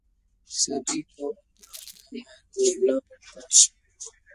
सभी को अपना-अपना मार्ग ढूँढ़ना पड़ता है।